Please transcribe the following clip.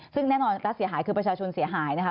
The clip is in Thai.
ซึ่งแน่นอนรัฐเสียหายคือประชาชนเสียหายนะคะ